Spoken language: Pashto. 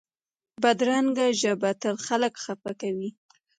بدرنګه ژبه تل خلک خفه کوي